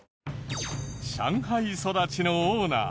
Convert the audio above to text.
上海育ちのオーナー。